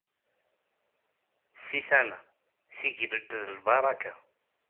Si tama, tigellelt d lbaraka.